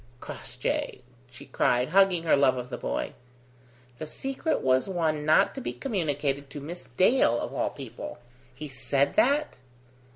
"Crossjay!" she cried, hugging her love of the boy. "The secret was one not to be communicated to Miss Dale of all people." "He said that?"